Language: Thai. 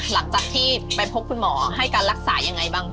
หลังจากที่ไปพบคุณหมอให้การรักษายังไงบ้าง